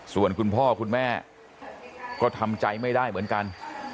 ส่วนคุณพ่อคุณแม่ก็ทำใจไม่ได้เหมือนกัน